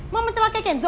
mau mencelakai kenzo